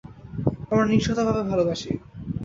আমরা নিঃস্বার্থভাবে ভালোবাসি।